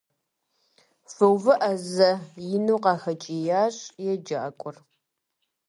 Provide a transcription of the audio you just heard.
- Фыувыӏэ зэ! - ину къахэкӏиящ егъэджакӏуэр.